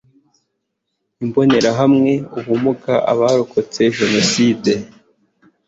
imbonerahamwe ubumuga abarokotse jenoside